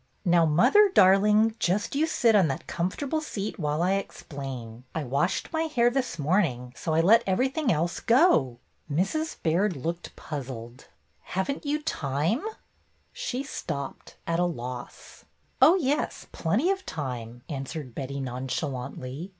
"Now, mother, darling, just you sit on that comfortable seat while I explain. I washed my hair this morning, so I let everything else go." Mrs. Baird looked puzzled. "Have n't you time —" She stopped, at a loss. 62 BETTY BAIRD'S GOLDEN YEAR ''Oh, yes, plenty of time," answered Betty, nonchalantly.